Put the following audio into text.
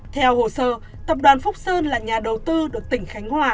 theo hồ sơ tập đoàn phúc sơn là nhà đầu tư được tỉnh khánh hòa